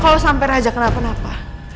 kalau sampai raja kenapa napa